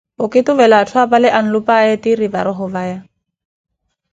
okituvela atthu apale anlupayee ethi eri va roho vaya.